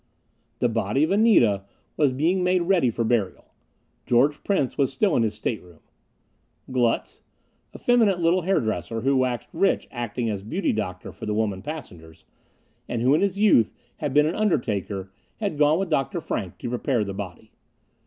The body of Anita was being made ready for burial. George Prince was still in his stateroom. Glutz, effeminate little hairdresser, who waxed rich acting as beauty doctor for the women passengers, and who in his youth had been an undertaker, had gone with Dr. Frank to prepare the body.